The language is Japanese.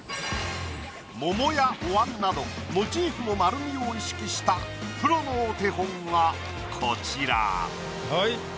桃やおわんなどモチーフの丸みを意識したプロのお手本がこちら。